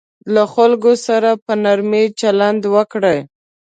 له خلکو سره په نرمي چلند وکړئ.